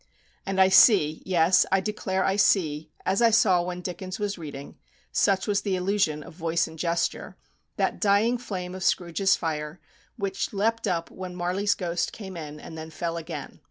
And I see yes, I declare I see, as I saw when Dickens was reading, such was the illusion of voice and gesture that dying flame of Scrooge's fire, which leaped up when Marley's ghost came in, and then fell again.